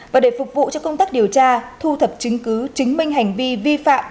và để phục vụ cho công tác điều tra thu thập chứng cứ chứng minh hành vi vi phạm